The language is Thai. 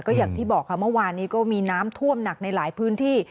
อย่างที่บอกค่ะเมื่อวานนี้ก็มีน้ำท่วมหนักในหลายพื้นที่